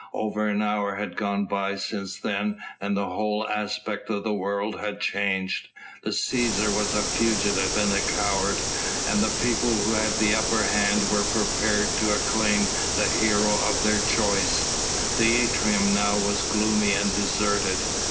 Over an hour had gone by since then and the whole aspect of the world had changed. The Cæsar was a fugitive and a coward, and the people who had the upper hand were prepared to acclaim the hero of their choice. The atrium now was gloomy and deserted.